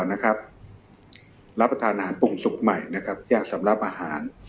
รับประทานอาหารปุ่มสุขใหม่ยากสำรับอาหาร